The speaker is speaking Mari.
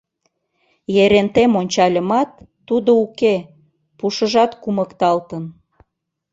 Ерентем ончальымат, тудо уке, пушыжат кумыкталтын.